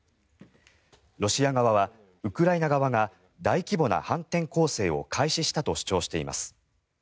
ロシア側は、ウクライナ側が大規模な反転攻勢を開始したと主張しています。